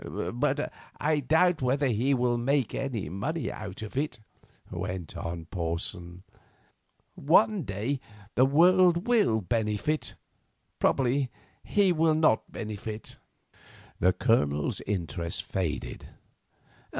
"But I doubt whether he will make any money out of it," went on Porson. "One day the world will benefit; probably he will not benefit." The Colonel's interest faded.